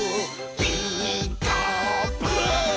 「ピーカーブ！」